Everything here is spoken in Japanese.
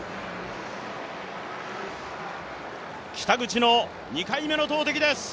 北口の２回目の投てきです！